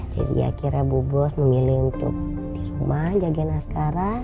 jadi akhirnya bu bos memilih untuk di rumah jaga askara